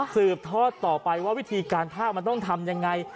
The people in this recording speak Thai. สืบทอดต่อไปว่าวิธีการภาคมันต้องทำยังไง